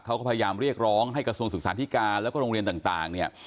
เขาก็พยายามเรียกร้องให้กระทรวงศึกษาธิการแล้วก็โรงเรียนต่างเนี่ย